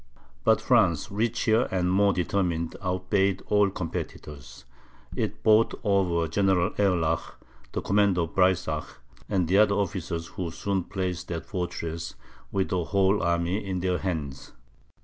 But France, richer and more determined, outbade all competitors: it bought over General Erlach, the commander of Breysach, and the other officers, who soon placed that fortress, with the whole army, in their hands.